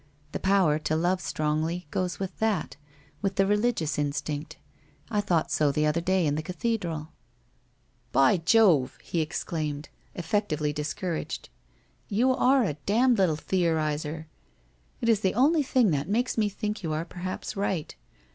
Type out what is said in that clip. The power to love strongly goes with that, with the religious instinct. I thought so the other day in the cathedral.' * By Jove !' he exclaimed, effectively discouraged. 'You are a damned little theorizer. It is the only thing that makes me think you are perhaps right.